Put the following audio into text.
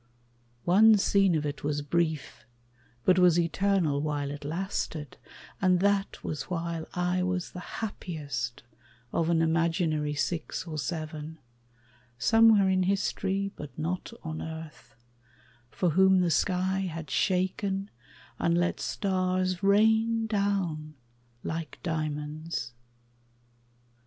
One scene of it Was brief, but was eternal while it lasted; And that was while I was the happiest Of an imaginary six or seven, Somewhere in history but not on earth, For whom the sky had shaken and let stars Rain down like diamonds.